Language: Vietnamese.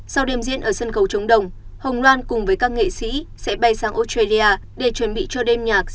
sau đêm diễn ở sân khấu chống đồng hồng loan cùng với các nghệ sĩ sẽ bay sang australia để chuẩn bị cho đêm nhạc